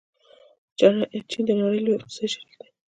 چین د نړۍ لوی اقتصادي شریک دی.